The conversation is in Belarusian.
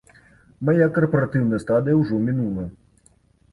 Мая карпаратыўная стадыя ўжо мінула.